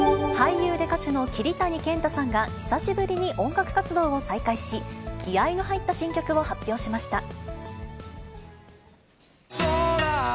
俳優で歌手の桐谷健太さんが、久しぶりに音楽活動を再開し、気合いの入った新曲を発表しました。